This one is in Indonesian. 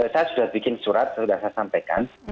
saya sudah bikin surat sudah saya sampaikan